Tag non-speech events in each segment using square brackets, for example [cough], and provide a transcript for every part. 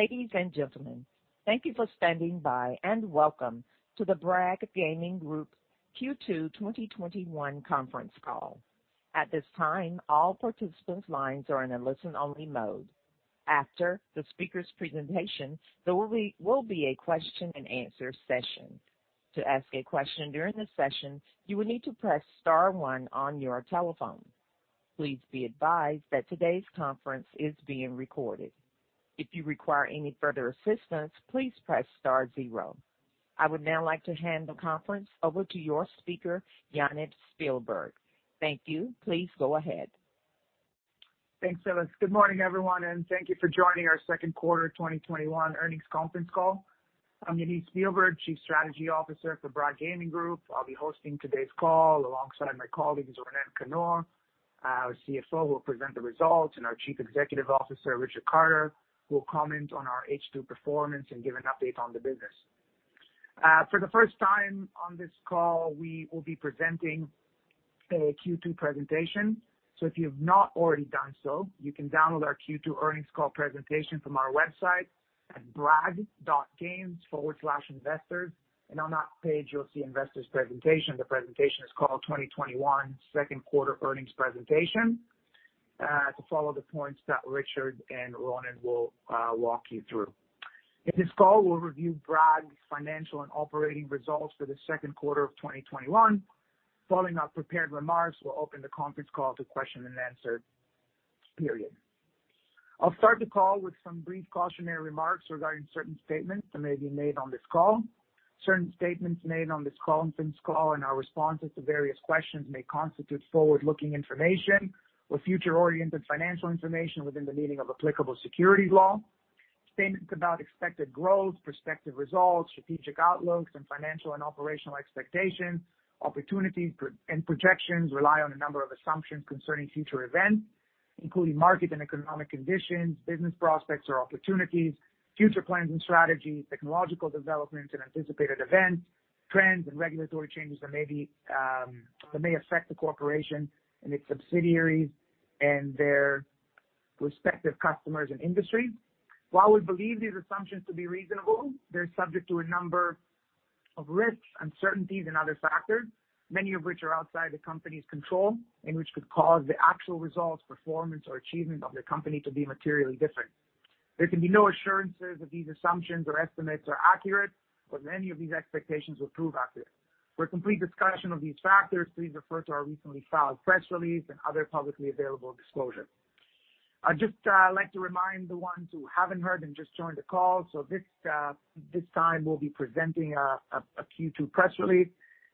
Ladies and gentlemen, thank you for standing by, and Welcome to the Bragg Gaming Group Q2 2021 Conference Call. At this time, all participants' lines are in a listen-only mode. After the speaker's presentation, there will be a question and answer session. To ask a question during the session, you will need to press star one on your telephone. Please be advised that today's conference is being recorded. If you require any further assistance, please press star zero. I would now like to hand the conference over to your speaker, Yaniv Spielberg. Thank you. Please go ahead. Thanks, Phyllis. Good morning, everyone, and thank you for joining our Second Quarter 2021 Earnings Conference Call. I'm Yaniv Spielberg, Chief Strategy Officer for Bragg Gaming Group. I'll be hosting today's call alongside my colleagues. Ronen Kannor, our CFO, will present the results, and our Chief Executive Officer, Richard Carter, will comment on our H2 performance and give an update on the business. For the first time on this call, we will be presenting a Q2 presentation. If you have not already done so, you can download our Q2 earnings call presentation from our website at bragg.games/investors, and on that page, you'll see investors presentation. The presentation is called 2021 second quarter earnings presentation, to follow the points that Richard and Ronen will walk you through. In this call, we'll review Bragg's financial and operating results for the second quarter of 2021. Following our prepared remarks, we will open the conference call to question and answer period. I will start the call with some brief cautionary remarks regarding certain statements that may be made on this call. Certain statements made on this conference call and our responses to various questions may constitute forward-looking information or future-oriented financial information within the meaning of applicable securities law. Statements about expected growth, prospective results, strategic outlooks, and financial and operational expectations, opportunities, and projections rely on a number of assumptions concerning future events, including market and economic conditions, business prospects or opportunities, future plans and strategies, technological developments and anticipated events, trends and regulatory changes that may affect the corporation and its subsidiaries and their respective customers and industries. While we believe these assumptions to be reasonable, they're subject to a number of risks, uncertainties, and other factors, many of which are outside the company's control and which could cause the actual results, performance, or achievement of the company to be materially different. There can be no assurances that these assumptions or estimates are accurate, or that any of these expectations will prove accurate. For a complete discussion of these factors, please refer to our recently filed press release and other publicly available disclosures. I'd just like to remind the ones who haven't heard and just joined the call. This time, we'll be presenting a Q2 press release.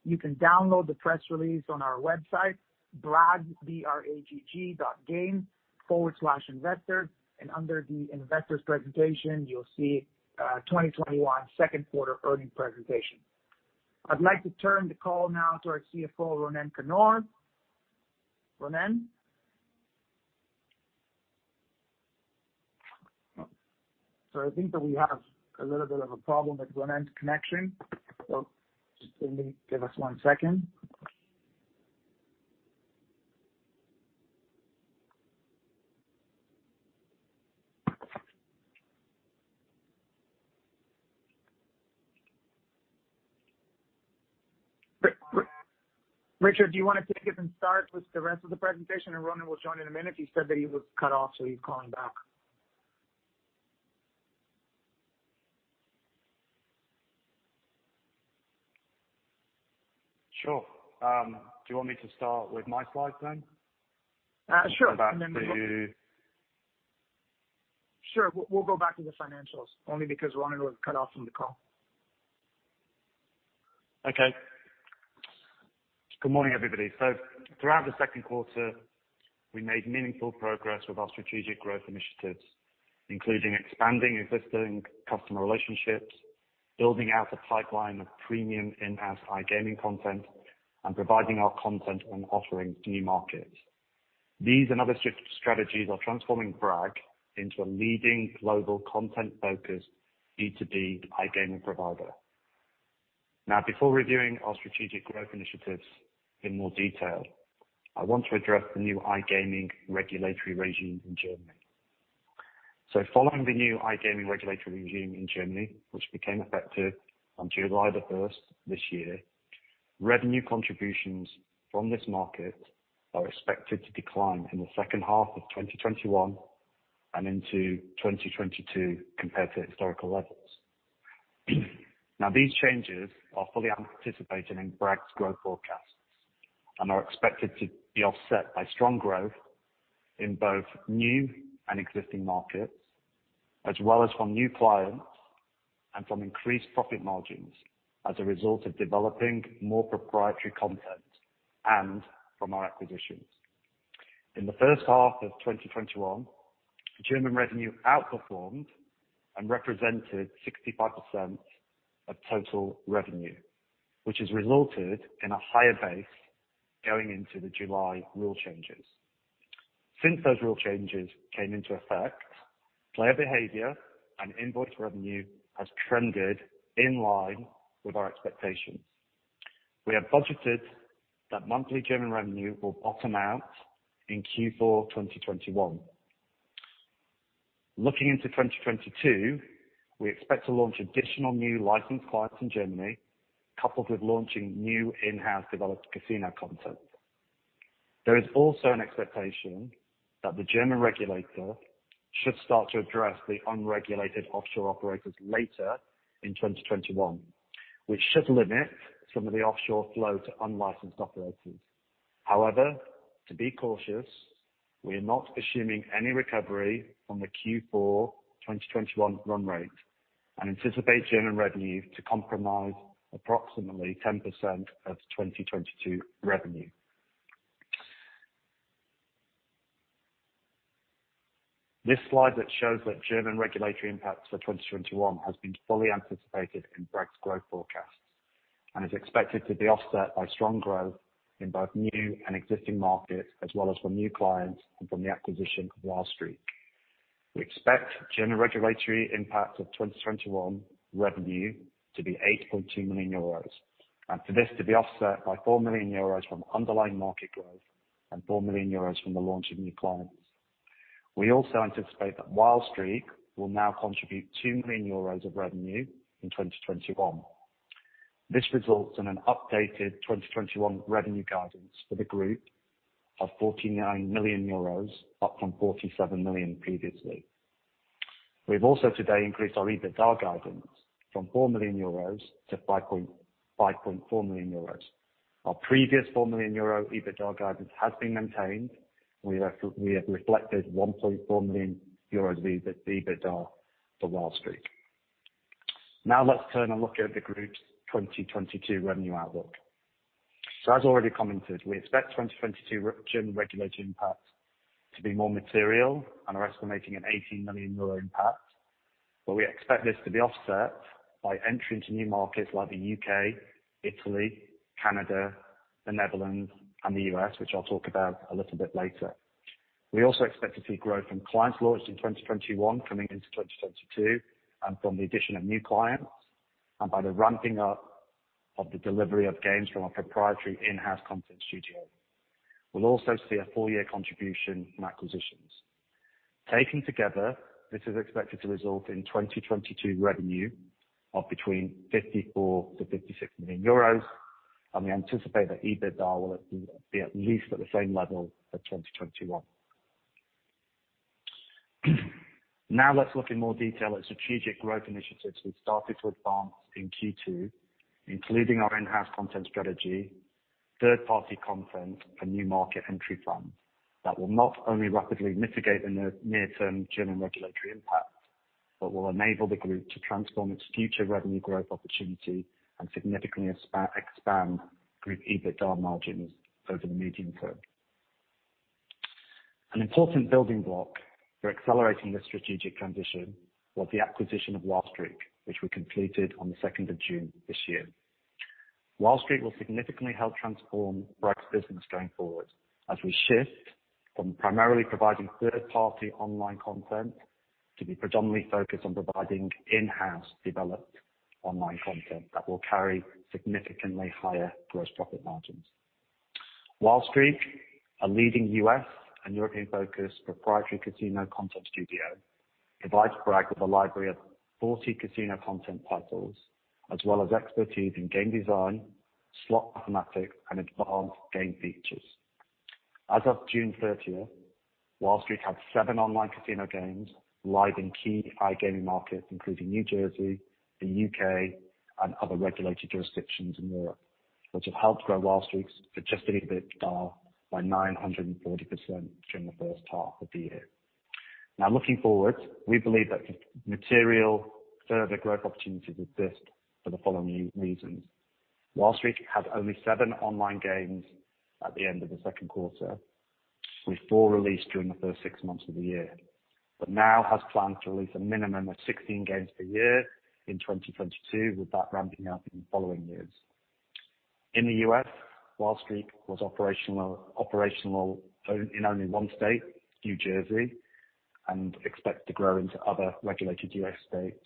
You can download the press release on our website, bragg.games/investor, and under the investors presentation, you'll see 2021 second quarter earning presentation. I'd like to turn the call now to our CFO, Ronen Kannor. Ronen? I think that we have a little bit of a problem with Ronen's connection, just give us one second. Richard, do you want to take it and start with the rest of the presentation, and Ronen will join in a minute? He said that he was cut off, he's calling back. Sure. Do you want me to start with my slides then? Sure. Go back to... [crosstalk] Sure. We'll go back to the financials only because Ronen was cut off from the call. Good morning, everybody. Throughout the second quarter, we made meaningful progress with our strategic growth initiatives, including expanding existing customer relationships, building out a pipeline of premium in-house iGaming content, and providing our content and offerings to new markets. These and other strategies are transforming Bragg into a leading global content-focused B2B iGaming provider. Before reviewing our strategic growth initiatives in more detail, I want to address the new iGaming regulatory regime in Germany. Following the new iGaming regulatory regime in Germany, which became effective on July 1st this year, revenue contributions from this market are expected to decline in the second half of 2021 and into 2022 compared to historical levels. These changes are fully anticipated in Bragg's growth forecasts and are expected to be offset by strong growth in both new and existing markets, as well as from new clients and from increased profit margins as a result of developing more proprietary content and from our acquisitions. In the first half of 2021, German revenue outperformed and represented 65% of total revenue, which has resulted in a higher base going into the July rule changes. Since those rule changes came into effect, player behavior and invoice revenue has trended in line with our expectations. We have budgeted that monthly German revenue will bottom out in Q4 2021. Looking into 2022, we expect to launch additional new licensed clients in Germany, coupled with launching new in-house developed casino content. There is also an expectation that the German regulator should start to address the unregulated offshore operators later in 2021, which should limit some of the offshore flow to unlicensed operators. However, to be cautious, we are not assuming any recovery from the Q4 2021 run rate and anticipate German revenue to compromise approximately 10% of 2022 revenue. This slide that shows that German regulatory impacts for 2021 has been fully anticipated in Bragg's growth forecast and is expected to be offset by strong growth in both new and existing markets, as well as from new clients and from the acquisition of Wild Streak. We expect general regulatory impact of 2021 revenue to be 8.2 million euros, and for this to be offset by 4 million euros from underlying market growth and 4 million euros from the launch of new clients. We also anticipate that Wild Streak will now contribute 2 million euros of revenue in 2021. This results in an updated 2021 revenue guidance for the group of 49 million euros, up from 47 million previously. We have also today increased our EBITDA guidance from 4 million euros to 5.4 million euros. Our previous 4 million euro EBITDA guidance has been maintained. We have reflected 1.4 million euros of EBITDA for Wild Streak. Let's turn and look at the group's 2022 revenue outlook. As already commented, we expect 2022 German regulatory impact to be more material and are estimating an 18 million euro impact. We expect this to be offset by entry into new markets like the U.K., Italy, Canada, the Netherlands, and the U.S., which I'll talk about a little bit later. We also expect to see growth from clients launched in 2021 coming into 2022, and from the addition of new clients, and by the ramping up of the delivery of games from our proprietary in-house content studio. We'll also see a full-year contribution from acquisitions. Taken together, this is expected to result in 2022 revenue of between 54 million-56 million euros. We anticipate that EBITDA will be at least at the same level for 2021. Now let's look in more detail at strategic growth initiatives we started to advance in Q2, including our in-house content strategy, third-party content, and new market entry plans that will not only rapidly mitigate the near-term German regulatory impact, but will enable the group to transform its future revenue growth opportunity and significantly expand group EBITDA margins over the medium term. An important building block for accelerating this strategic transition was the acquisition of Wild Streak Gaming, which we completed on the 2nd of June this year. Wild Streak Gaming will significantly help transform Bragg's business going forward as we shift from primarily providing third-party online content to be predominantly focused on providing in-house developed online content that will carry significantly higher gross profit margins. Wild Streak Gaming, a leading U.S. and European-focused proprietary casino content studio, provides Bragg with a library of 40 casino content titles, as well as expertise in game design, slot mathematics, and advanced game features. As of June 30th, Wild Streak Gaming had seven online casino games live in key iGaming markets, including New Jersey, the U.K., and other regulated jurisdictions in Europe, which have helped grow Wild Streak Gaming's adjusted EBITDA by 940% during the first half of the year. Looking forward, we believe that material further growth opportunities exist for the following reasons. Wild Streak had only seven online games at the end of the second quarter, with four released during the first six months of the year, but now has plans to release a minimum of 16 games per year in 2022, with that ramping up in the following years. In the U.S., Bragg was operational in only one state, New Jersey, and expects to grow into other regulated U.S. states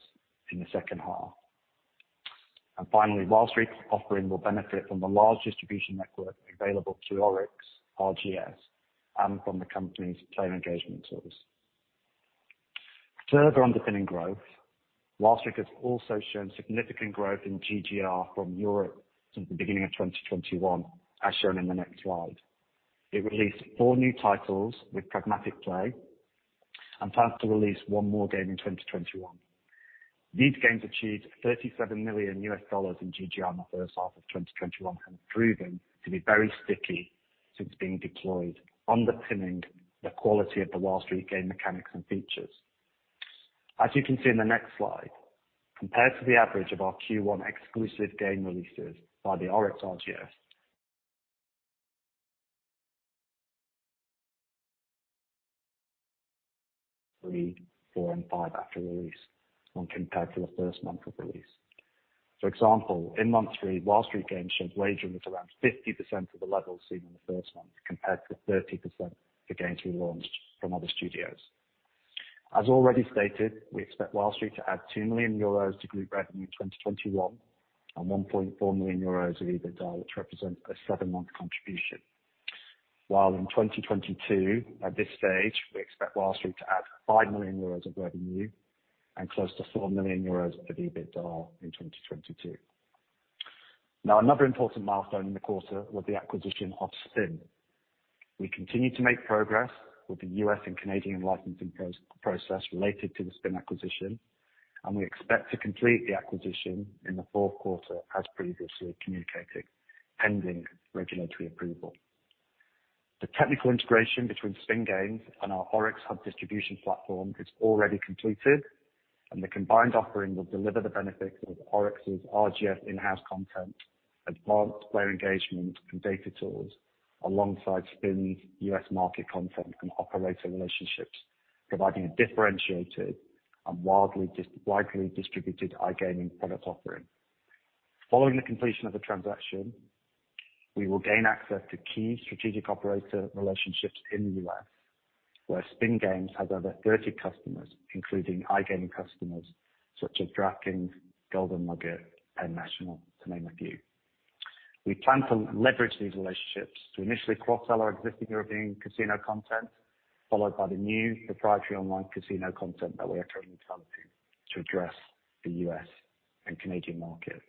in the second half. Finally, Bragg's offering will benefit from the large distribution network available through ORYX RGS and from the company's player engagement tools. Further underpinning growth, Bragg has also shown significant growth in GGR from Europe since the beginning of 2021, as shown in the next slide. It released four new titles with Pragmatic Play and plans to release one more game in 2021. These games achieved EUR 37 million in GGR in the first half of 2021 and have proven to be very sticky since being deployed, underpinning the quality of the Wild Streak game mechanics and features. As you can see in the next slide, compared to the average of our Q1 exclusive game releases by the ORYX RGS. Three, four, and five after release when compared to the first month of release. For example, in month three, Wild Streak games showed wagering was around 50% of the levels seen in the first month, compared to 30% for games we launched from other studios. As already stated, we expect Wild Streak to add 2 million euros to group revenue in 2021, and 1.4 million euros of EBITDA, which represents a seven-month contribution. While in 2022, at this stage, we expect Wild Streak to add 5 million euros of revenue and close to 4 million euros of EBITDA in 2022. Another important milestone in the quarter was the acquisition of Spin. We continue to make progress with the U.S. and Canadian licensing process related to the Spin acquisition, and we expect to complete the acquisition in the fourth quarter as previously communicated, pending regulatory approval. The technical integration between Spin Games and our ORYX Hub distribution platform is already completed, and the combined offering will deliver the benefits of ORYX's RGS in-house content, advanced player engagement, and data tools, alongside Spin's U.S. market content and operator relationships, providing a differentiated and widely distributed iGaming product offering. Following the completion of the transaction, we will gain access to key strategic operator relationships in the U.S., where Spin Games has over 30 customers, including iGaming customers such as DraftKings, Golden Nugget, and Penn National Gaming, to name a few. We plan to leverage these relationships to initially cross-sell our existing European casino content, followed by the new proprietary online casino content that we are currently developing to address the U.S. and Canadian markets.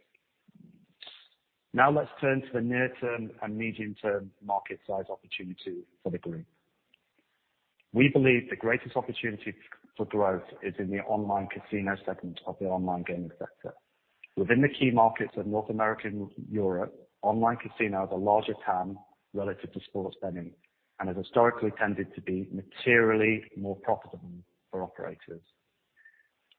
Now let's turn to the near-term and medium-term market size opportunity for the group. We believe the greatest opportunity for growth is in the online casino segment of the online gaming sector. Within the key markets of North America and Europe, online casino has a larger TAM relative to sports betting and has historically tended to be materially more profitable for operators.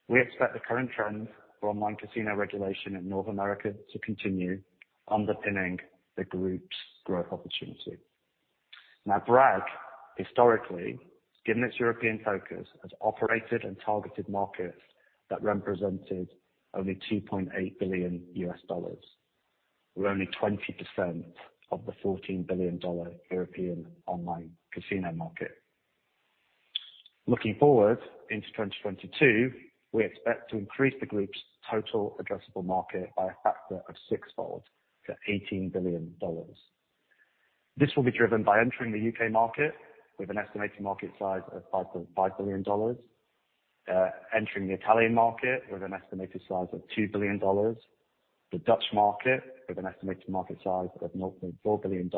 We expect the current trend for online casino regulation in North America to continue underpinning the group's growth opportunity. Bragg historically, given its European focus, has operated in targeted markets that represented only $2.8 billion U.S., or only 20% of the EUR 14 billion European online casino market. Looking forward into 2022, we expect to increase the group's total addressable market by a factor of sixfold to EUR 18 billion. This will be driven by entering the U.K. market with an estimated market size of EUR 5.5 billion, entering the Italian market with an estimated size of EUR 2 billion, the Dutch market with an estimated market size of EUR 4 billion,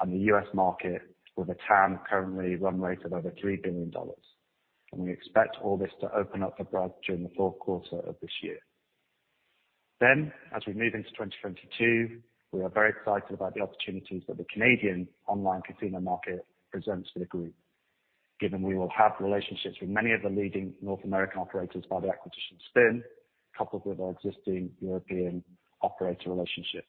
and the U.S. market with a TAM currently run rate of over $3 billion. We expect all this to open up for Bragg during the fourth quarter of this year. As we move into 2022, we are very excited about the opportunities that the Canadian online casino market presents to the group, given we will have relationships with many of the leading North American operators via the acquisition of Spin, coupled with our existing European operator relationships.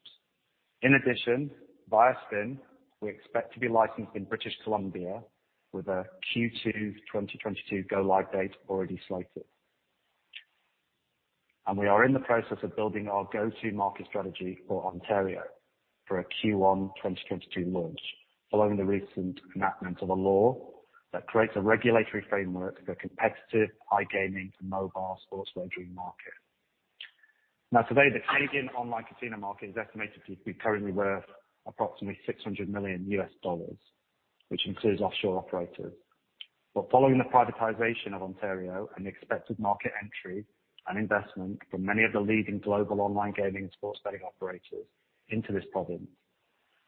In addition, via Spin, we expect to be licensed in British Columbia with a Q2 2022 go-live date already slated. We are in the process of building our go-to market strategy for Ontario for a Q1 2022 launch following the recent enactment of a law that creates a regulatory framework for competitive iGaming and mobile sports wagering market. Today, the Canadian online casino market is estimated to be currently worth approximately $600 million USD, which includes offshore operators. Following the privatization of Ontario and the expected market entry and investment from many of the leading global online gaming and sports betting operators into this province,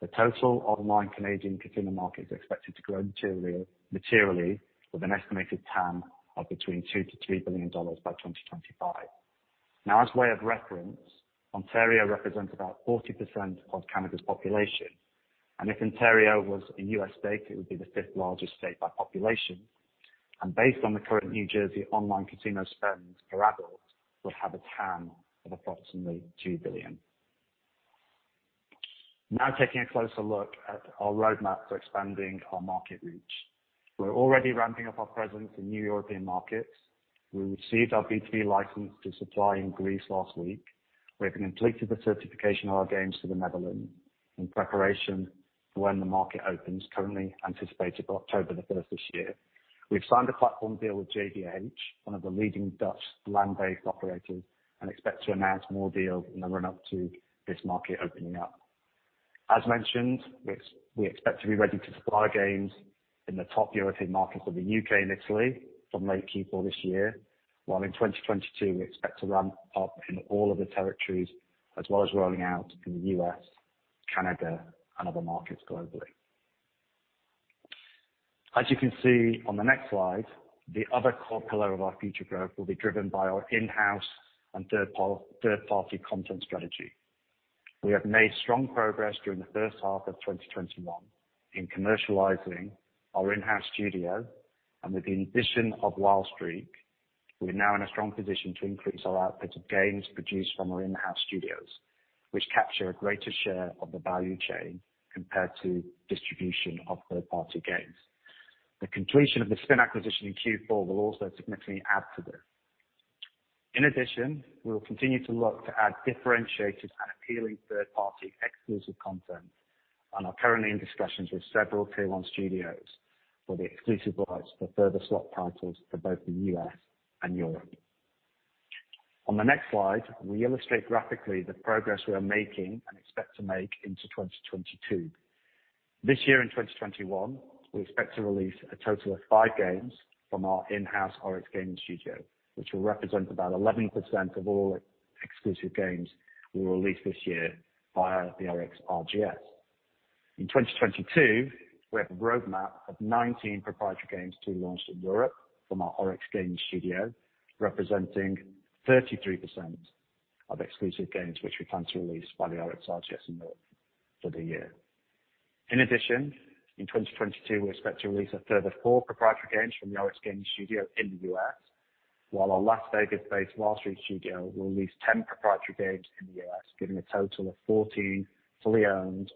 the total online Canadian casino market is expected to grow materially with an estimated TAM of between $2 billion-$3 billion by 2025. As way of reference, Ontario represents about 40% of Canada's population. If Ontario was a U.S. state, it would be the fifth largest state by population. Based on the current New Jersey online casino spend per adult would have a TAM of approximately $2 billion. Taking a closer look at our roadmap to expanding our market reach. We're already ramping up our presence in new European markets. We received our B2B license to supply in Greece last week. We have completed the certification of our games for the Netherlands in preparation for when the market opens, currently anticipated for October the 1st this year. We have signed a platform deal with JVH, one of the leading Dutch land-based operators, and expect to announce more deals in the run-up to this market opening up. As mentioned, we expect to be ready to supply games in the top European markets of the U.K. and Italy from late Q4 this year. While in 2022, we expect to ramp up in all other territories, as well as rolling out in the U.S., Canada, and other markets globally. As you can see on the next slide, the other core pillar of our future growth will be driven by our in-house and third-party content strategy. We have made strong progress during the first half of 2021 in commercializing our in-house studio, and with the addition of Wild Streak, we are now in a strong position to increase our output of games produced from our in-house studios, which capture a greater share of the value chain compared to distribution of third-party games. The completion of the Spin acquisition in Q4 will also significantly add to this. In addition, we will continue to look to add differentiated and appealing third-party exclusive content and are currently in discussions with several Tier 1 studios for the exclusive rights for further slot titles for both the U.S. and Europe. On the next slide, we illustrate graphically the progress we are making and expect to make into 2022. This year in 2021, we expect to release a total of five games from our in-house ORYX Gaming Studio, which will represent about 11% of all exclusive games we will release this year via the ORYX RGS. In 2022, we have a roadmap of 19 proprietary games to be launched in Europe from our ORYX Gaming Studio, representing 33% of exclusive games which we plan to release by the ORYX RGS in Europe for the year. In 2022, we expect to release a further four proprietary games from the ORYX Gaming Studio in the U.S., while our Las Vegas-based Wild Streak Gaming Studio will release 10 proprietary games in the U.S., giving a total of 14 fully owned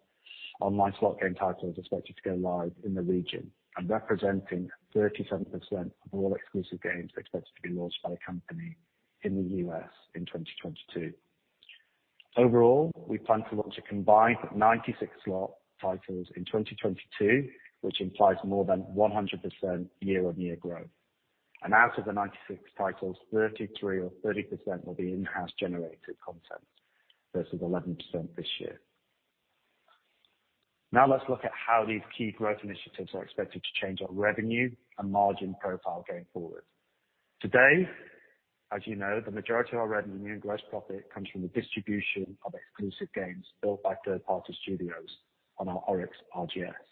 online slot game titles expected to go live in the region and representing 37% of all exclusive games expected to be launched by the company in the U.S. in 2022. Overall, we plan to launch a combined 96 slot titles in 2022, which implies more than 100% year-on-year growth. Out of the 96 titles, 33 or 30% will be in-house generated content versus 11% this year. Now let's look at how these key growth initiatives are expected to change our revenue and margin profile going forward. Today, as you know, the majority of our revenue and gross profit comes from the distribution of exclusive games built by third-party studios on our ORYX RGS.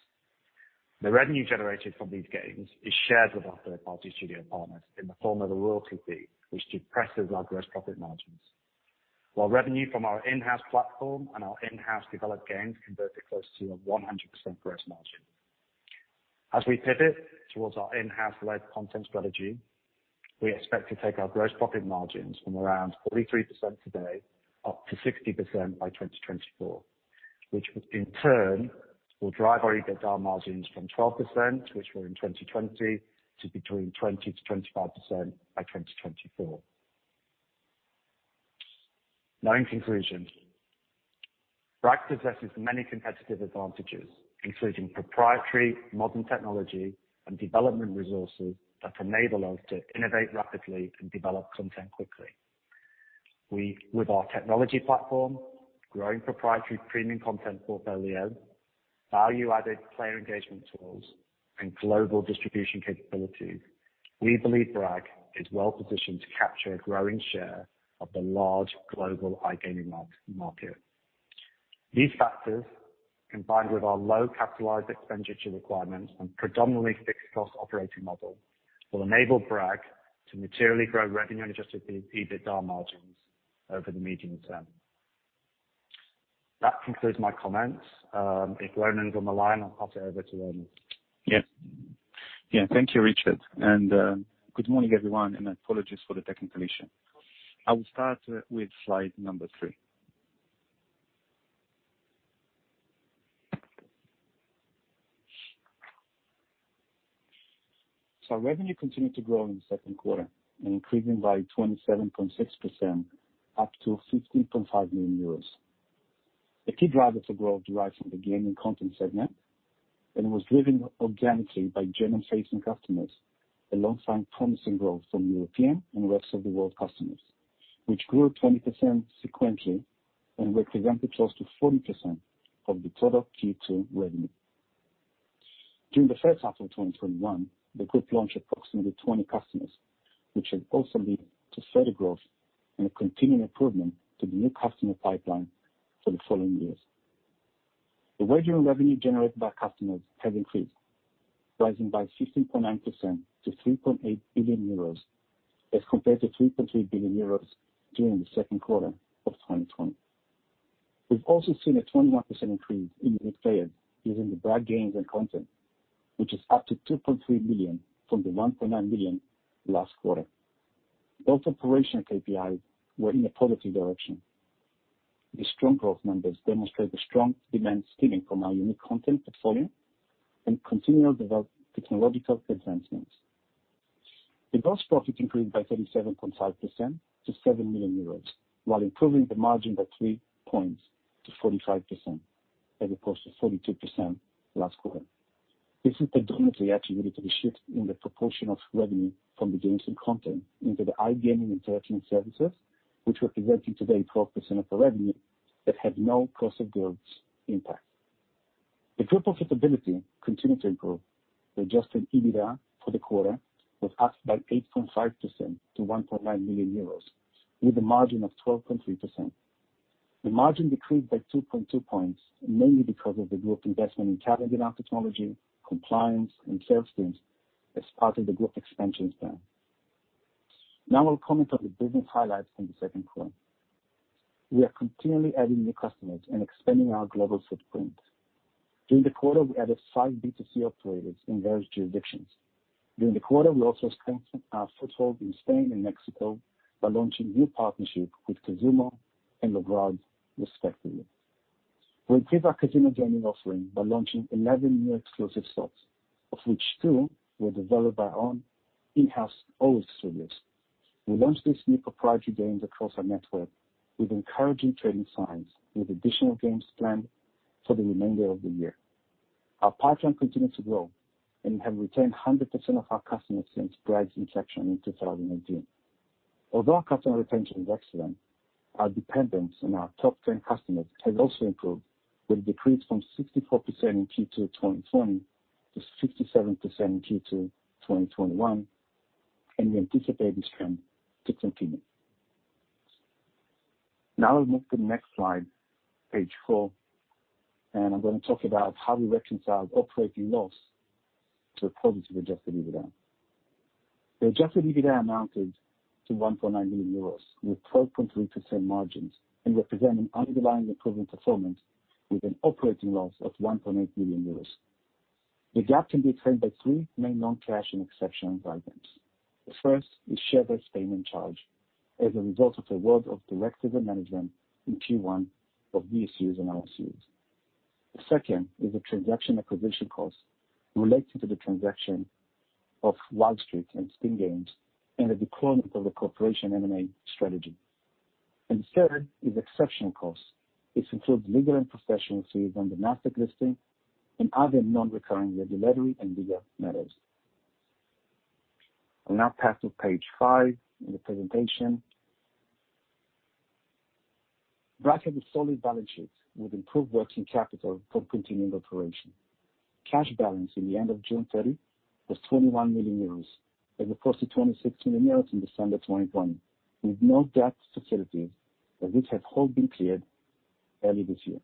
The revenue generated from these games is shared with our third-party studio partners in the form of a royalty fee, which depresses our gross profit margins, while revenue from our in-house platform and our in-house developed games converted close to a 100% gross margin. As we pivot towards our in-house led content strategy, we expect to take our gross profit margins from around 33% today up to 60% by 2024. Which would in turn will drive our EBITDA margins from 12%, which were in 2020, to between 20%-25% by 2024. Now in conclusion, Bragg possesses many competitive advantages, including proprietary modern technology and development resources that enable us to innovate rapidly and develop content quickly. With our technology platform, growing proprietary premium content portfolio, value-added player engagement tools, and global distribution capabilities, we believe Bragg is well-positioned to capture a growing share of the large global iGaming market. These factors, combined with our low capitalized expenditure requirements and predominantly fixed cost operating model, will enable Bragg to materially grow revenue and adjusted EBITDA margins over the medium term. That concludes my comments. If Ronen is on the line, I'll pass it over to Ronen. Yes. Thank you, Richard, and good morning, everyone, and apologies for the technical issue. I will start with slide number three. Revenue continued to grow in the second quarter, increasing by 27.6% up to 50.5 million euros. The key driver to growth derives from the gaming content segment and was driven organically by German-facing customers alongside promising growth from European and rest of the world customers, which grew 20% sequentially and represented close to 40% of the total Q2 revenue. During the first half of 2021, the group launched approximately 20 customers, which will also lead to further growth and a continuing improvement to the new customer pipeline for the following years. The regular revenue generated by customers has increased, rising by 15.9% to 3.8 billion euros as compared to 3.3 billion euros during the second quarter of 2020. We've also seen a 21% increase in unique players using the Bragg Gaming content, which is up to 2.3 million from the 1.9 million last quarter. Both operational KPIs were in a positive direction. The strong growth numbers demonstrate the strong demand stemming from our unique content portfolio and continual developed technological advancements. The gross profit increased by 37.5% to 7 million euros, while improving the margin by three points to 45% as opposed to 42% last quarter. This is predominantly attributed to the shift in the proportion of revenue from the games and content into the iGaming interaction services, which represented today 12% of the revenue that had no cost of goods impact. The group profitability continued to improve. The adjusted EBITDA for the quarter was up by 8.5% to 1.9 million euros, with a margin of 12.3%. The margin decreased by 2.2 points, mainly because of the group investment in talent in our technology, compliance, and sales teams as part of the group expansion plan. Now I'll comment on the business highlights from the second quarter. We are continually adding new customers and expanding our global footprint. During the quarter, we added 5 B2C operators in various jurisdictions. During the quarter, we also strengthened our foothold in Spain and Mexico by launching new partnership with Casumo and Logrand respectively. We improved our casino gaming offering by launching 11 new exclusive slots, of which two were developed by our own in-house studios. We launched these new proprietary games across our network with encouraging trading signs and with additional games planned for the remainder of the year. Our patron continues to grow, and we have retained 100% of our customers since Bragg's inception in 2018. Although our customer retention is excellent, our dependence on our top 10 customers has also improved, with a decrease from 64% in Q2 2020 to 57% in Q2 2021, and we anticipate this trend to continue. Now we move to the next slide, page four, and I'm going to talk about how we reconcile operating loss to a positive adjusted EBITDA. The adjusted EBITDA amounted to €1.9 million, with 12.3% margins and representing underlying improvement performance with an operating loss of €1.8 million. The gap can be explained by three main non-cash and exceptional items. The first is share-based payment charge as a result of the work of directors and management in Q1 of this year and last year. The second is the transaction acquisition cost relating to the transaction of Wild Streak Gaming and Spin Games and the deployment of the corporation M&A strategy. Third is exceptional costs. This includes legal and professional fees on the NASDAQ listing and other non-recurring regulatory and legal matters. I'll now pass to page five in the presentation. Bragg has a solid balance sheet with improved working capital from continuing operation. Cash balance in the end of June 30 was 21 million euros, as opposed to 16 million euros in December 2020, with no debt facilities, as this has all been cleared early this year.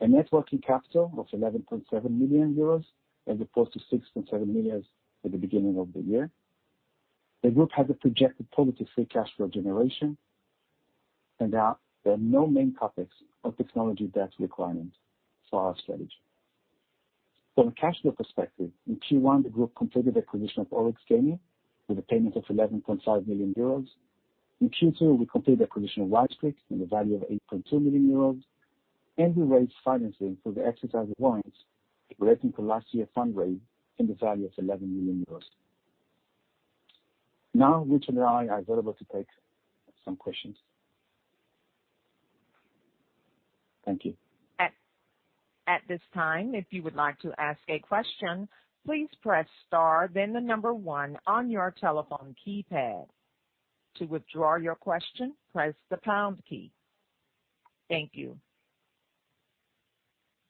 A net working capital of 11.7 million euros as opposed to 6.7 million at the beginning of the year. The group has a projected positive free cash flow generation. There are no main CapEx or technology debt requirements for our strategy. From a cash flow perspective, in Q1, the group completed acquisition of ORYX Gaming with a payment of 11.5 million euros. In Q2, we completed the acquisition of Wild Streak in the value of 8.2 million euros, and we raised financing through the exercise of warrants relating to last year fundraise in the value of 111 million euros. Now Richard and I are available to take some questions. Thank you. Thank you.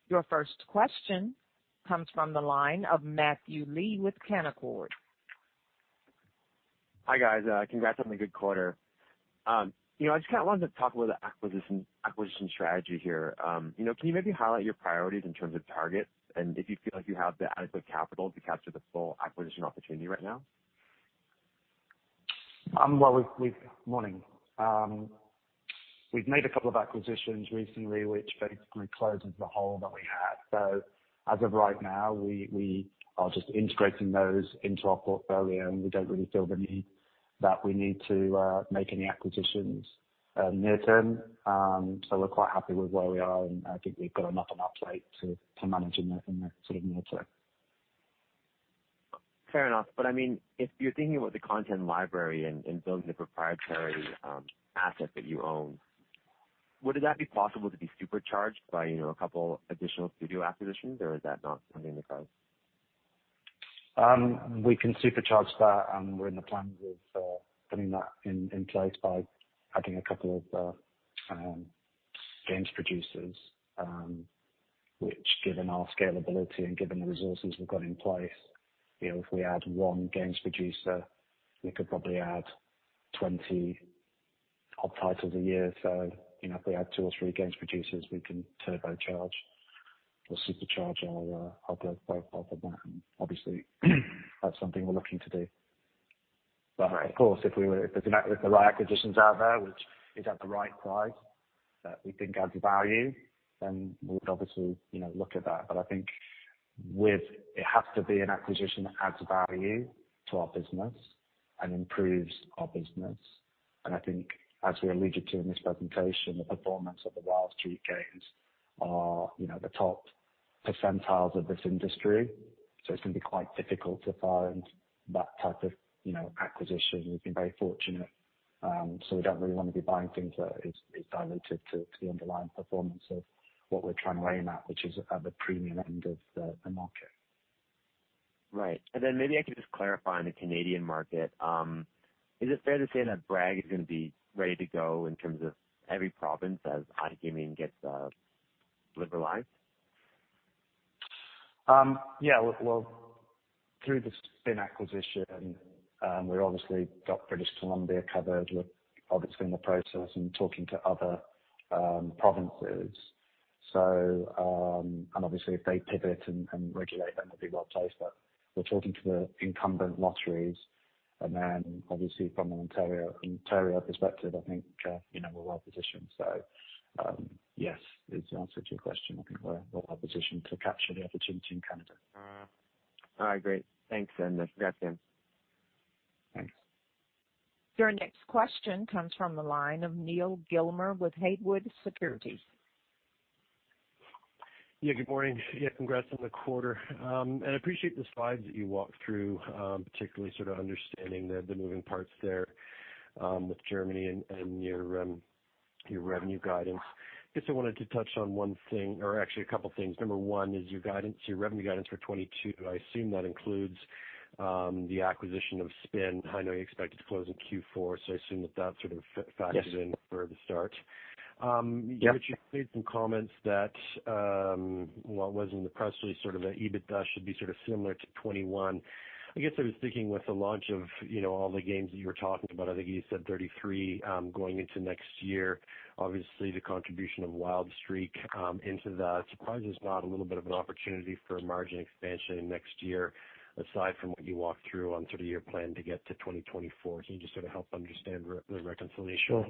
Your first question comes from the line of Matthew Lee with Canaccord. Hi, guys. Congrats on the good quarter. I just wanted to talk a little acquisition strategy here. Can you maybe highlight your priorities in terms of targets and if you feel like you have the adequate capital to capture the full acquisition opportunity right now? Morning. We've made a couple of acquisitions recently which basically closes the hole that we had. As of right now, we are just integrating those into our portfolio, and we don't really feel the need that we need to make any acquisitions near term. We're quite happy with where we are, and I think we've got enough on our plate to manage in the near term. Fair enough. If you're thinking about the content library and building the proprietary asset that you own, would that be possible to be supercharged by a couple additional studio acquisitions, or is that not something in the cards? We can supercharge that, and we're in the plans with putting that in place by adding a couple of games producers, which given our scalability and given the resources we've got in place, if we add one games producer, we could probably add 20 odd titles a year. If we add two or three games producers, we can turbocharge or supercharge our growth off of that, and obviously that's something we're looking to do. Right. Of course, if there's the right acquisitions out there, which is at the right price that we think adds value, then we would obviously look at that. I think it has to be an acquisition that adds value to our business and improves our business. I think as we alluded to in this presentation, the performance of the Wild Streak games are the top percentiles of this industry. It's going to be quite difficult to find that type of acquisition. We've been very fortunate. We don't really want to be buying things that is diluted to the underlying performance of what we're trying to aim at, which is at the premium end of the market. Right. Maybe I could just clarify on the Canadian market. Is it fair to say that Bragg is going to be ready to go in terms of every province as iGaming gets liberalized? Well, through the Spin Games acquisition, we obviously got British Columbia covered. We're obviously in the process and talking to other provinces. Obviously if they pivot and regulate, then we'll be well-placed. We're talking to the incumbent lotteries. Obviously from an Ontario perspective, I think we're well-positioned. Yes, is the answer to your question. I think we're well-positioned to capture the opportunity in Canada. All right, great. Thanks, and congrats again. Thanks. Your next question comes from the line of Neal Gilmer with Haywood Securities. Yeah, good morning. Yeah, congrats on the quarter. Appreciate the slides that you walked through, particularly sort of understanding the moving parts there with Germany and your revenue guidance. Guess I wanted to touch on one thing or actually a couple things. Number one is your revenue guidance for 2022. I assume that includes the acquisition of Spin. I know you expect it to close in Q4, I assume that that's sort of factored in for the start. Yes. Yep. You made some comments that what was in the press release, sort of the EBITDA should be sort of similar to 2021. I guess I was thinking with the launch of all the games that you were talking about, I think you said 33 going into next year, obviously the contribution of Wild Streak into that. Surprises not a little bit of an opportunity for margin expansion in next year, aside from what you walked through on sort of your plan to get to 2024. Can you just sort of help understand the reconciliation? Sure.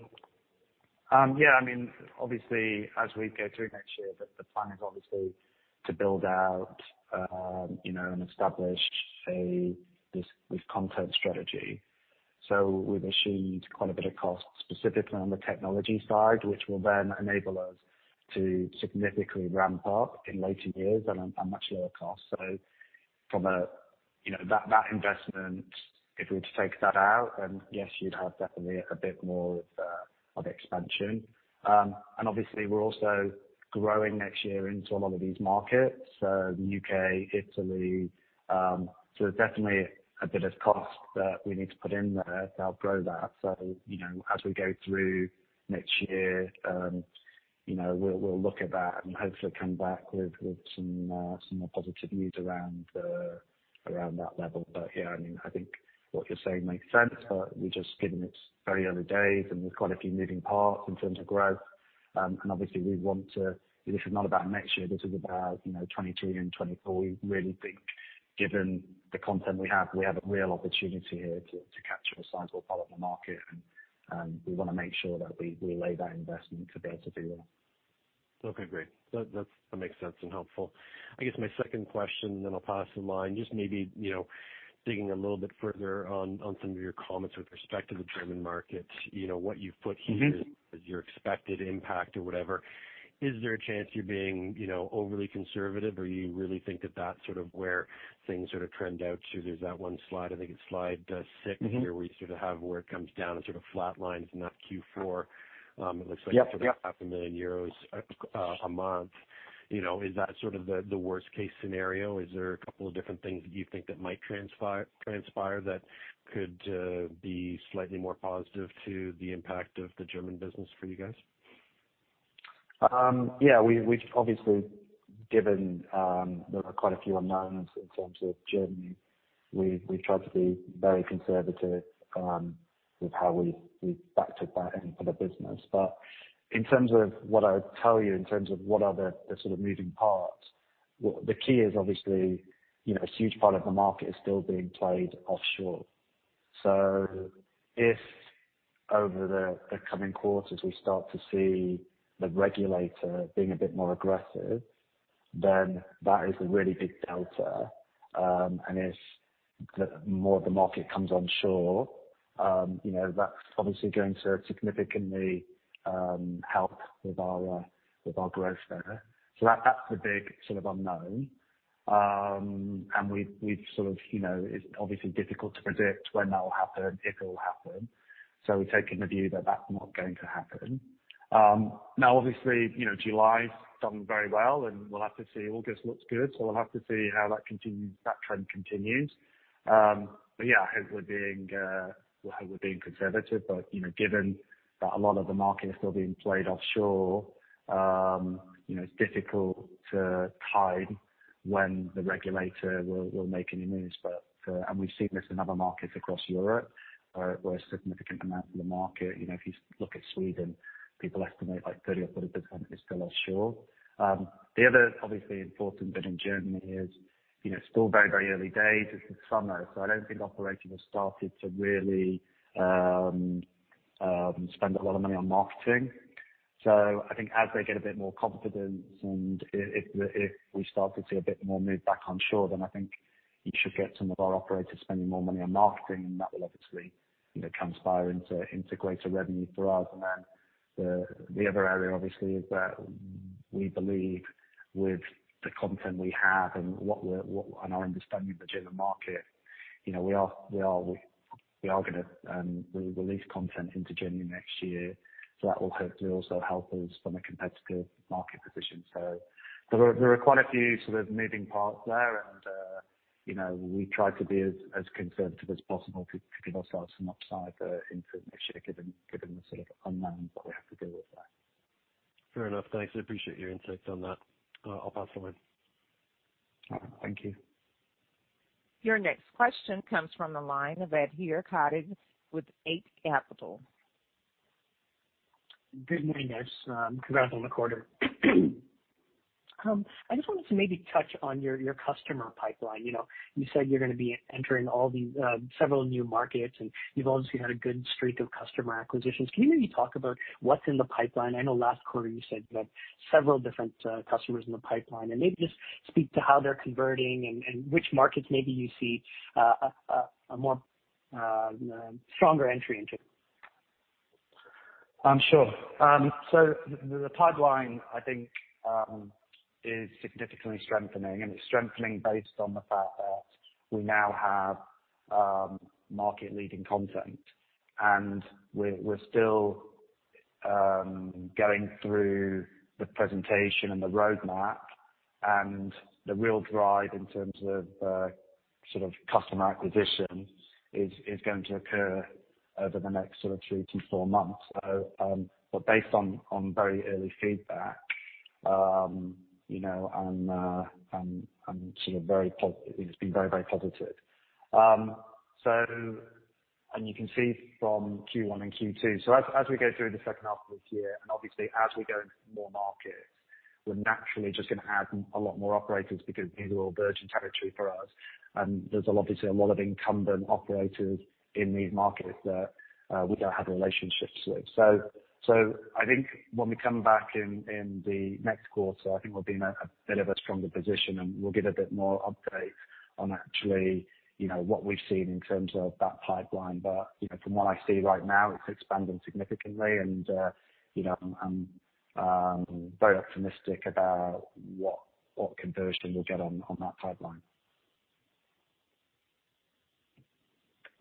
Obviously as we go through next year, the plan is obviously to build out and establish this content strategy. We've assumed quite a bit of cost specifically on the technology side, which will then enable us to significantly ramp up in later years at a much lower cost. From that investment, if we were to take that out, then yes, you'd have definitely a bit more of expansion. Obviously we're also growing next year into a lot of these markets, so the U.K., Italy. There's definitely a bit of cost that we need to put in there to help grow that. As we go through next year, we'll look at that and hopefully come back with some more positive news around that level. Yeah, I think what you're saying makes sense, but we just given it's very early days and there's quite a few moving parts in terms of growth, and obviously we want to this is not about next year, this is about 2022 and 2024. We really think given the content we have, we have a real opportunity here to capture a sizable part of the market, and we want to make sure that we lay that investment to be able to do that. Okay, great. That makes sense and helpful. I guess my second question then I'll pass the line, just maybe digging a little bit further on some of your comments with respect to the German market. What you've put here. Is your expected impact or whatever. Is there a chance you're being overly conservative, or you really think that that's sort of where things sort of trend out to? There's that one slide, I think it's slide six where you sort of have where it comes down and sort of flat lines in that Q4. Yep. sort of half a million euros a month. Is that sort of the worst-case scenario? Is there a couple of different things that you think that might transpire that could be slightly more positive to the impact of the German business for you guys? Yeah. We've obviously given there are quite a few unknowns in terms of Germany. We've tried to be very conservative with how we've factored that in for the business. In terms of what I would tell you in terms of what are the sort of moving parts, the key is obviously a huge part of the market is still being played offshore. If over the coming quarters, we start to see the regulator being a bit more aggressive, then that is a really big delta. If more of the market comes onshore, that's obviously going to significantly help with our growth there. That's the big sort of unknown. It's obviously difficult to predict when that will happen, if it will happen. We've taken the view that that's not going to happen. Now, obviously, July's done very well, and we'll have to see. August looks good. We'll have to see how that trend continues. Yeah, I hope we're being conservative. Given that a lot of the market is still being played offshore, it's difficult to time when the regulator will make any moves. We've seen this in other markets across Europe where a significant amount of the market. If you look at Sweden, people estimate like 30% or 40% is still offshore. The other obviously important bit in Germany is it's still very early days. It's the summer. I don't think operators have started to really spend a lot of money on marketing. I think as they get a bit more confidence, and if we start to see a bit more move back onshore, then I think you should get some of our operators spending more money on marketing, and that will obviously transpire into greater revenue for us. The other area obviously is that we believe with the content we have and our understanding of the German market, we are going to release content into Germany next year, so that will hopefully also help us from a competitive market position. There are quite a few sort of moving parts there and we try to be as conservative as possible to give ourselves some upside into next year given the sort of unknowns that we have to deal with there. Fair enough. Thanks. I appreciate your insight on that. I'll pass the line. All right. Thank you. Your next question comes from the line of Adhir Kadve, with Eight Capital. Good morning, guys. Congrats on the quarter. I just wanted to maybe touch on your customer pipeline. You said you're going to be entering several new markets. You've obviously had a good streak of customer acquisitions. Can you maybe talk about what's in the pipeline? I know last quarter you said you had several different customers in the pipeline, and maybe just speak to how they're converting and which markets maybe you see a stronger entry into. Sure. The pipeline, I think, is significantly strengthening, and it's strengthening based on the fact that we now have market-leading content. We're still going through the presentation and the roadmap. The real drive in terms of customer acquisition is going to occur over the next sort of three to four months. Based on very early feedback, it's been very, very positive. You can see from Q1 and Q2. As we go through the second half of this year, and obviously as we go into more markets, we're naturally just going to add a lot more operators because these are all virgin territory for us. There's obviously a lot of incumbent operators in these markets that we don't have relationships with. I think when we come back in the next quarter, I think we'll be in a bit of a stronger position, and we'll give a bit more update on actually what we've seen in terms of that pipeline. From what I see right now, it's expanding significantly and I'm very optimistic about what conversion we'll get on that pipeline.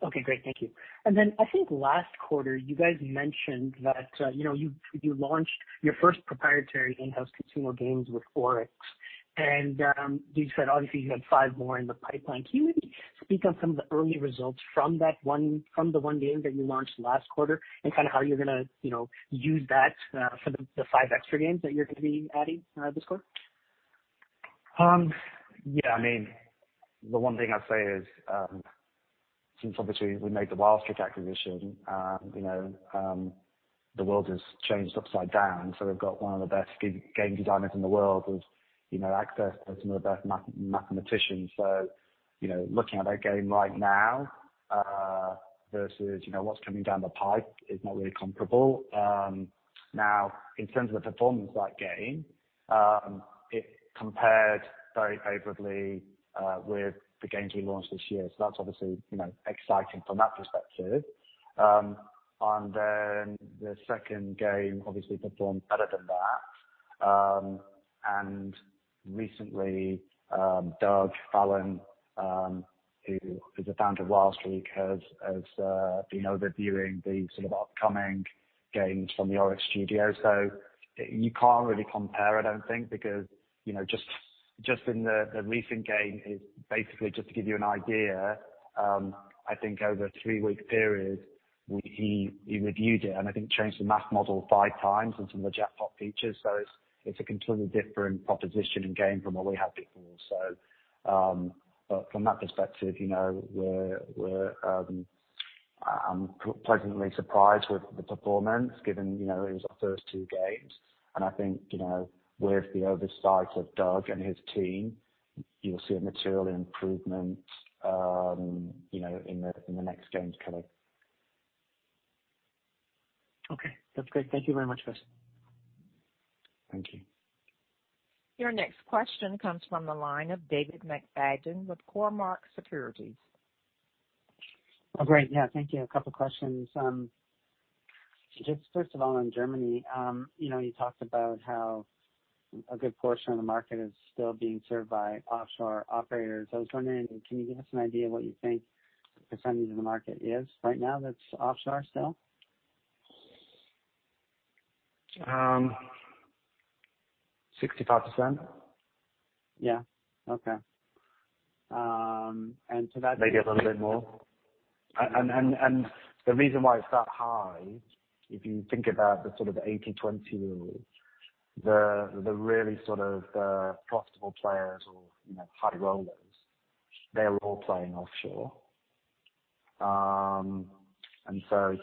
Okay, great. Thank you. I think last quarter you guys mentioned that you launched your first proprietary in-house consumer games with Oryx. You said obviously you had five more in the pipeline. Can you maybe speak on some of the early results from the one game that you launched last quarter and kind of how you're going to use that for the five extra games that you're going to be adding this quarter? The one thing I'd say is since obviously we made the Wild Streak acquisition, the world has changed upside down. We've got one of the best game designers in the world with access to some of the best mathematicians. Looking at our game right now versus what's coming down the pipe is not really comparable. Now, in terms of the performance of that game, it compared very favorably with the games we launched this year. That's obviously exciting from that perspective. The second game obviously performed better than that. Recently, Doug Fallon, who is the founder of Wild Streak, has been overviewing the sort of upcoming games from the ORYX studio. You can't really compare, I don't think, because just in the recent game is basically just to give you an idea I think over a three-week period, he reviewed it and I think changed the math model five times and some of the jackpot features. It's a completely different proposition and game from what we had before. From that perspective, I'm pleasantly surprised with the performance given it was our first two games. I think with the oversight of Doug and his team, you'll see a material improvement in the next games coming. Okay. That's great. Thank you very much, guys. Thank you. Your next question comes from the line of David McFadgen with Cormark Securities. Oh, great. Yeah. Thank you. A couple of questions. First of all, on Germany you talked about how a good portion of the market is still being served by offshore operators. I was wondering, can you give us an idea of what you think percentage of the market is right now that's offshore still? Uhmm, 65%. Yeah. Okay. To that... [crosstalk] Maybe a little bit more. The reason why it's that high, if you think about the sort of 80/20 rule, the really sort of profitable players or high rollers, they're all playing offshore.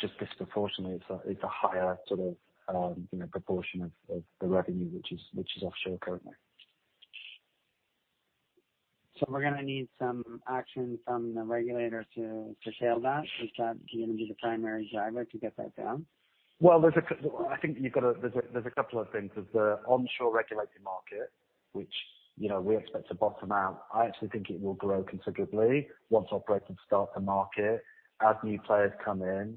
Just disproportionately, it's a higher sort of proportion of the revenue which is offshore currently. We're going to need some action from the regulator to tail that. Is that going to be the primary driver to get that down? Well, I think there's a couple of things. There's the onshore regulated market, which we expect to bottom out. I actually think it will grow considerably once operators start to market as new players come in.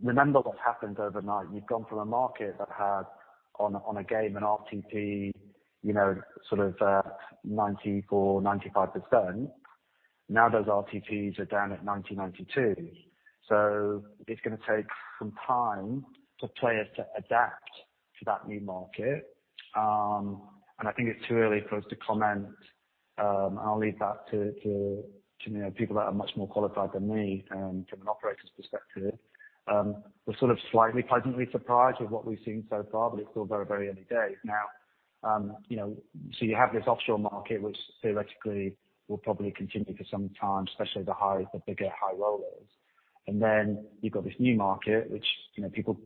Remember what's happened overnight. You've gone from a market that had on a game an RTP sort of 94%-95%. Those RTPs are down at 90%-92%. It's going to take some time for players to adapt to that new market. I think it's too early for us to comment. I'll leave that to people that are much more qualified than me from an operator's perspective. We're sort of slightly pleasantly surprised with what we've seen so far, it's still very, very early days. You have this offshore market, which theoretically will probably continue for some time, especially the bigger high rollers. You've got this new market, which people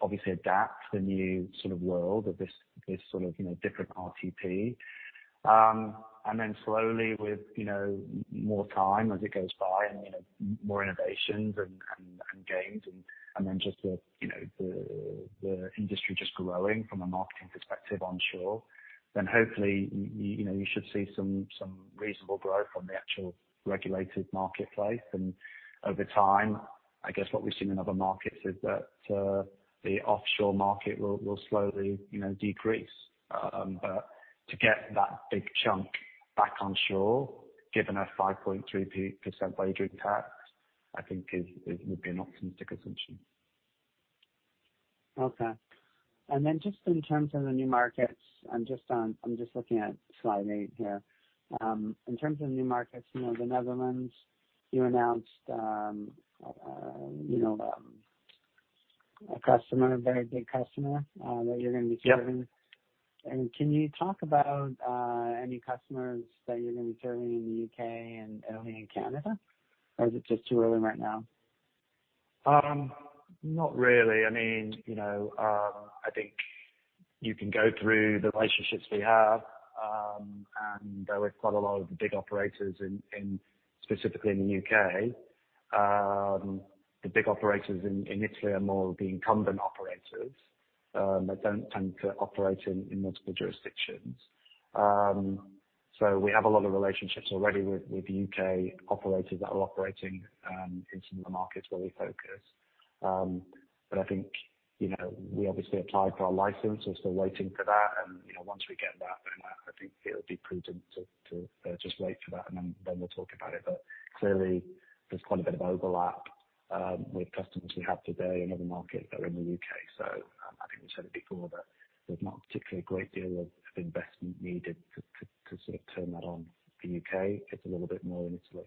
obviously adapt to the new sort of world of this sort of different RTP. Slowly with more time as it goes by and more innovations and games and then just the industry just growing from a marketing perspective onshore, then hopefully you should see some reasonable growth from the actual regulated marketplace. Over time, I guess what we've seen in other markets is that the offshore market will slowly decrease. To get that big chunk back onshore, given a 5.3% wagering tax, I think would be an optimistic assumption. Okay. Just in terms of the new markets, I'm just looking at slide 8 here. In terms of new markets, the Netherlands, you announced a customer, a very big customer that you're going to be serving. Yep. Can you talk about any customers that you're going to be serving in the U.K. and only in Canada, or is it just too early right now? Not really. I think you can go through the relationships we have, and with quite a lot of the big operators specifically in the U.K. The big operators in Italy are more the incumbent operators that don't tend to operate in multiple jurisdictions. We have a lot of relationships already with the U.K. operators that are operating into the markets where we focus. I think we obviously applied for our license. We're still waiting for that, and once we get that, then I think it would be prudent to just wait for that, and then we'll talk about it. Clearly, there's quite a bit of overlap with customers we have today in other markets that are in the U.K. I think we said it before that there's not particularly a great deal of investment needed to sort of turn that on the U.K. It's a little bit more in Italy.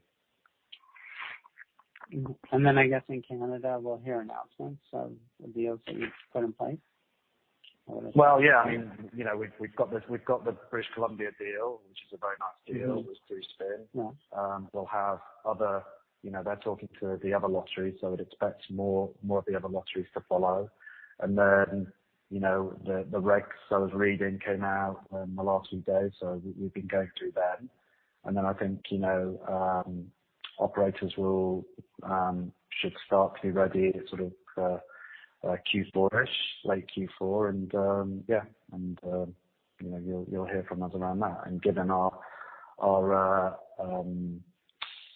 I guess in Canada, we'll hear announcements of deals that you've put in place. Yeah, we've got the British Columbia deal, which is a very nice deal with Spin. Yeah. They're talking to the other lotteries, so I would expect more of the other lotteries to follow. The regs I was reading came out in the last few days, so we've been going through them. I think operators should start to be ready sort of Q4-ish, late Q4, and you'll hear from us around that. Given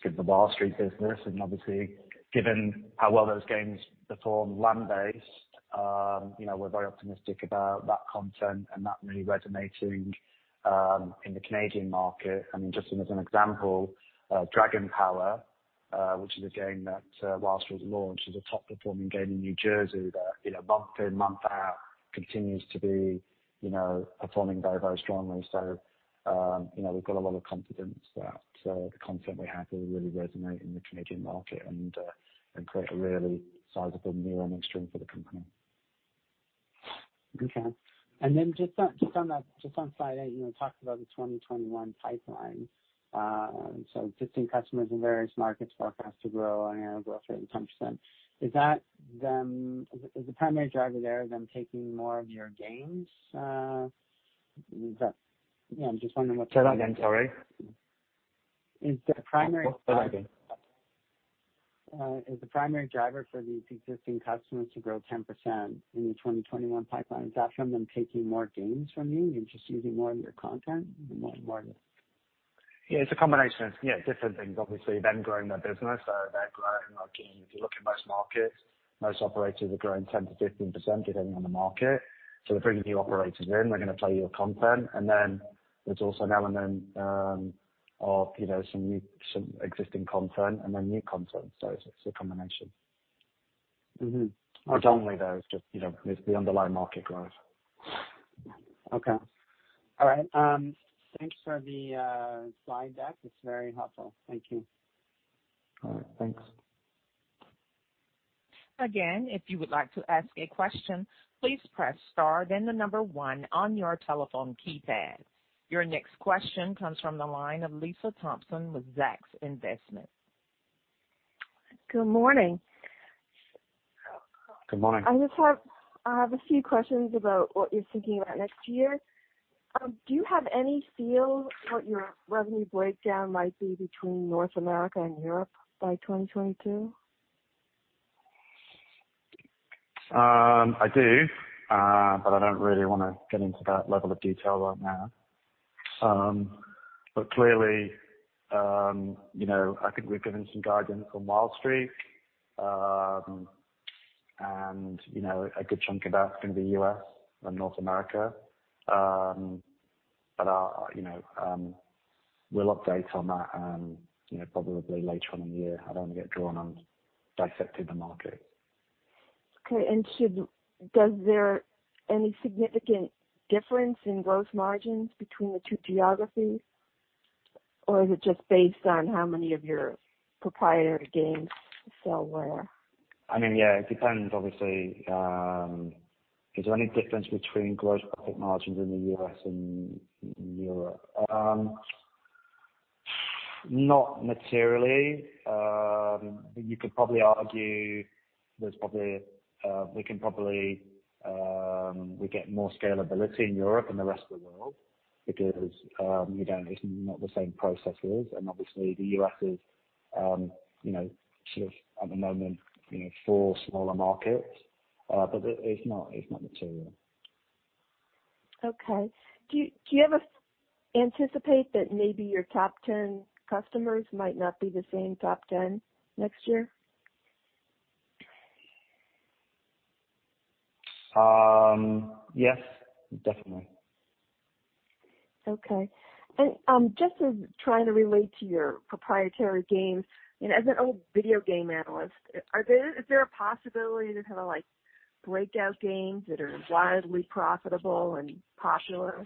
the Wild Streak business, and obviously given how well those games perform land-based we're very optimistic about that content and that really resonating in the Canadian market. Just as an example, Dragon Power, which is a game that whilst it was launched, is a top-performing game in New Jersey that month in, month out, continues to be performing very strongly. We've got a lot of confidence that the content we have will really resonate in the Canadian market and create a really sizable new revenue stream for the company. Okay. Just on slide eight, you talked about the 2021 pipeline. Existing customers in various markets forecast to grow annual growth rate of 10%. Is the primary driver there them taking more of your games? Yeah. [inaudible] Say that again, sorry. Is the primary... [crosstalk] Say that again. Is the primary driver for these existing customers to grow 10% in the 2021 pipeline, is that from them taking more games from you and just using more of your content more? Yeah, it's a combination of different things. Obviously, them growing their business, they're growing. If you look in most markets, most operators are growing 10% to 15%, depending on the market. They're bringing new operators in, they're going to play your content. There's also an element of some existing content and then new content. It's a combination. Generally, though, it's the underlying market growth. Okay. All right. Thanks for the slide deck. It is very helpful. Thank you. All right. Thanks. Your next question comes from the line of Lisa Thompson with Zacks Investment. Good morning. Good morning. I have a few questions about what you're thinking about next year. Do you have any feel what your revenue breakdown might be between North America and Europe by 2022? I do but I don't really want to get into that level of detail right now. Clearly I think we've given some guidance on Wild Streak, and a good chunk of that is going to be U.S. and North America. We'll update on that probably later on in the year. I don't want to get drawn on dissecting the market. Okay. Is there any significant difference in gross margins between the two geographies, or is it just based on how many of your proprietary games sell where? Yeah, it depends, obviously. Is there any difference between gross profit margins in the U.S. and Europe? Not materially. You could probably argue we get more scalability in Europe than the rest of the world because it's not the same processes, and obviously the U.S. is sort of at the moment four smaller markets. It's not material. Do you ever anticipate that maybe your top 10 customers might not be the same top 10 next year? Yes, definitely. Okay. Just trying to relate to your proprietary games, and as an old video game analyst, is there a possibility to have breakout games that are wildly profitable and popular?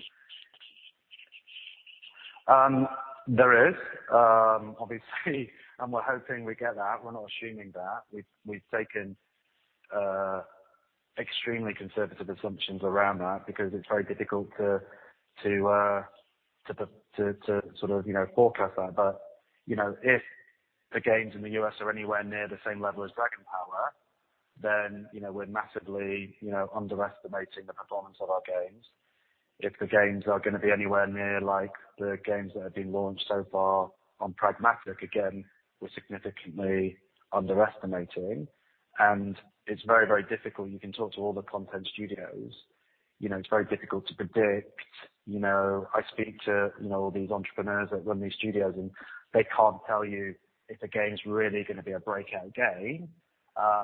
There is, obviously, and we're hoping we get that. We're not assuming that. We've taken extremely conservative assumptions around that because it's very difficult to forecast that. If the games in the U.S. are anywhere near the same level as Dragon Power, then we're massively underestimating the performance of our games. If the games are going to be anywhere near the games that have been launched so far on Pragmatic, again, we're significantly underestimating, and it's very difficult. You can talk to all the content studios. It's very difficult to predict. I speak to all these entrepreneurs that run these studios, and they can't tell you if a game's really going to be a breakout game.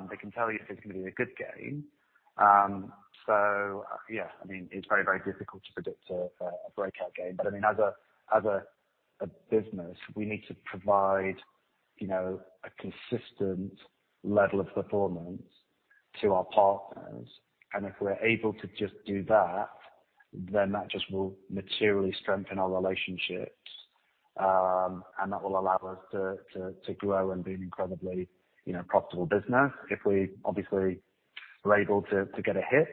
They can tell you if it's going to be a good game. Yeah, it's very difficult to predict a breakout game. As a business, we need to provide a consistent level of performance to our partners. If we're able to just do that, then that just will materially strengthen our relationships, and that will allow us to grow and be an incredibly profitable business. If we obviously were able to get a hit,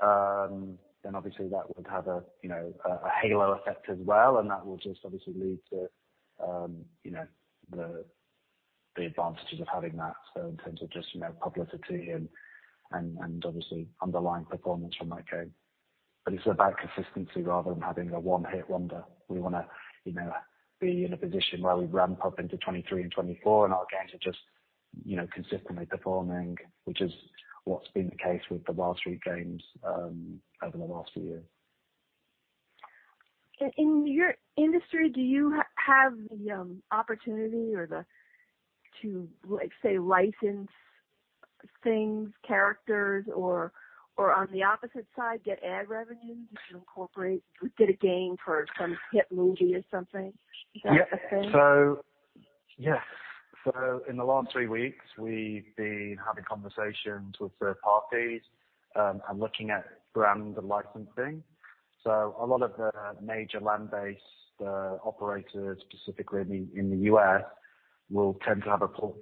then obviously that would have a halo effect as well, and that will just obviously lead to the advantages of having that in terms of just publicity and obviously underlying performance from that game. It's about consistency rather than having a one-hit wonder. We want to be in a position where we ramp up into 2023 and 2024 and our games are just consistently performing, which is what's been the case with the Wild Streak Games over the last year. In your industry, do you have the opportunity to say, license things, characters, or on the opposite side, get ad revenues to incorporate, do a game for some hit movie or something? Is that a thing? Yes. In the last three weeks, we've been having conversations with third parties and looking at brand licensing. A lot of the major land-based operators, specifically in the U.S., will tend to have a brand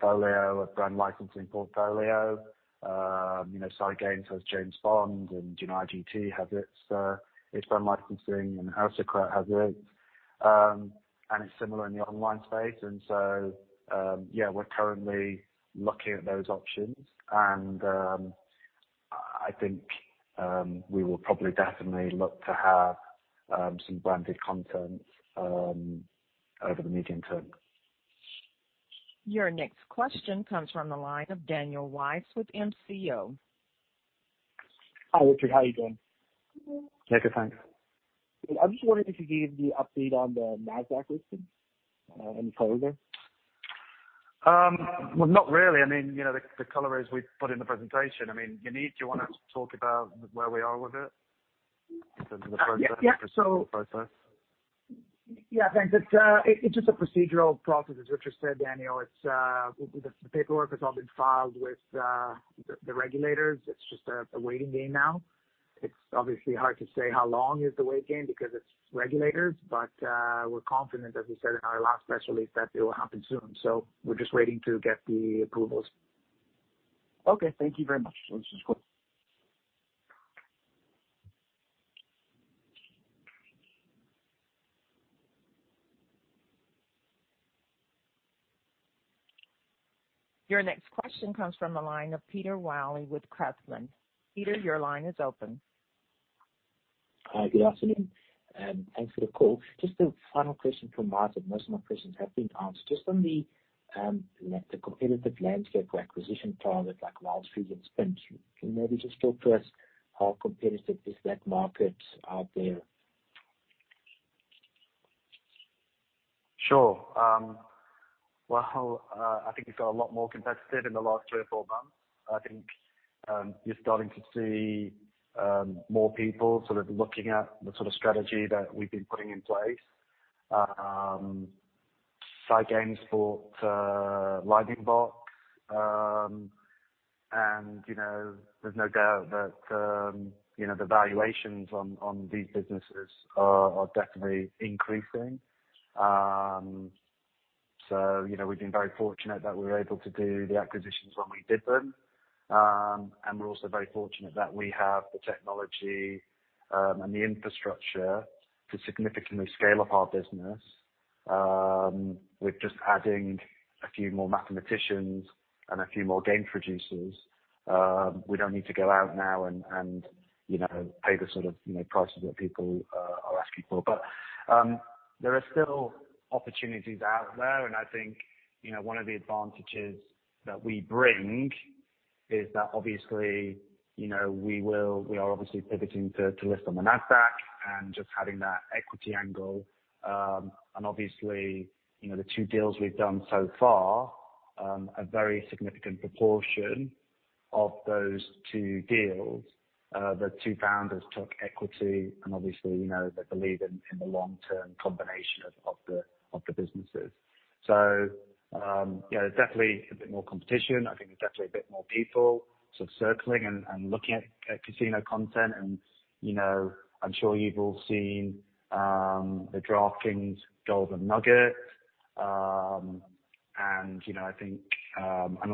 licensing portfolio. Scientific Games has James Bond, IGT has its brand licensing, House of Cards has it. It's similar in the online space. Yeah, we're currently looking at those options. I think we will probably definitely look to have some branded content over the medium term. Your next question comes from the line of Daniel Weiss with MCO. Hi, Richard. How are you doing? Yeah, good, thanks. I'm just wondering if you could give the update on the NASDAQ listing. Any color there? Well, not really. The color is we put in the presentation. Yaniv, do you want to talk about where we are with it in terms of the process? Thanks. It's just a procedural process, as Richard said, Daniel. The paperwork has all been filed with the regulators. It's just a waiting game now. It's obviously hard to say how long is the waiting game because it's regulators, but we're confident, as we said in our last press release, that it will happen soon. We're just waiting to get the approvals. Okay. Thank you very much. This is cool. Your next question comes from the line of Peter Wylie with Crestmont. Peter, your line is open. Hi, good afternoon. Thanks for the call. Just a final question from my side. Most of my questions have been answered. Just on the competitive landscape for acquisition targets like Wild Streak and Spin, can you maybe just talk to us how competitive is that market out there? Sure. I think it's got a lot more competitive in the last three or four months. I think you're starting to see more people sort of looking at the sort of strategy that we've been putting in place. SciGames bought Lightning Box. There's no doubt that the valuations on these businesses are definitely increasing. We've been very fortunate that we were able to do the acquisitions when we did them. We're also very fortunate that we have the technology and the infrastructure to significantly scale up our business with just adding a few more mathematicians and a few more game producers. We don't need to go out now and pay the sort of prices that people are asking for. There are still opportunities out there, and I think one of the advantages that we bring is that we are obviously pivoting to list on the NASDAQ and just having that equity angle. Obviously, the two deals we've done so far, a very significant proportion of those two deals, the two founders took equity, and obviously, they believe in the long-term combination of the businesses. Yeah, there's definitely a bit more competition. I think there's definitely a bit more people sort of circling and looking at casino content. I'm sure you've all seen the DraftKings Golden Nugget.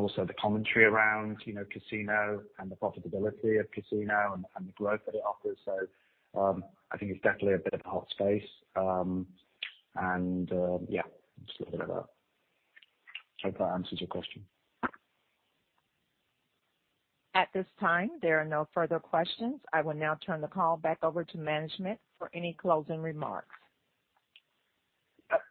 Also the commentary around casino and the profitability of casino and the growth that it offers. I think it's definitely a bit of a hot space. Yeah, just a bit of that. I hope that answers your question. At this time, there are no further questions. I will now turn the call back over to management for any closing remarks.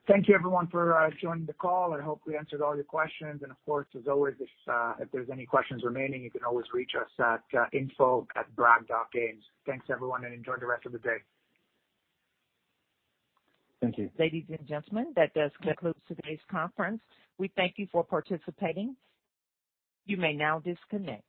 Thank you everyone for joining the call, and I hope we answered all your questions. Of course, as always, if there's any questions remaining, you can always reach us at info@bragg.games. Thanks everyone, and enjoy the rest of the day. Thank you. Ladies and gentlemen, that does conclude today's conference. We thank you for participating. You may now disconnect.